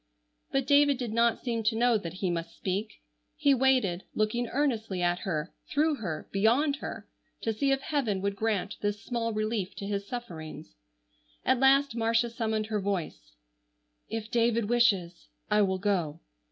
But David did not seem to know that he must speak. He waited, looking earnestly at her, through her, beyond her, to see if Heaven would grant this small relief to his sufferings. At last Marcia summoned her voice: "If David wishes I will go."